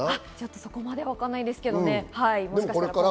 そこまでは分からないんですけどね。